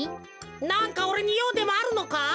なんかおれにようでもあるのか？